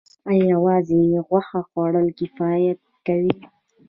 ایا یوازې غوښه خوړل کفایت کوي